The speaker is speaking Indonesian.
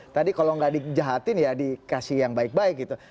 tadi kalau nggak dijahatin ya dikasih yang baik baik gitu